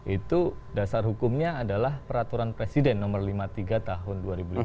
itu dasar hukumnya adalah peraturan presiden nomor lima puluh tiga tahun dua ribu lima belas